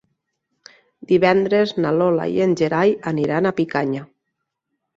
Divendres na Lola i en Gerai aniran a Picanya.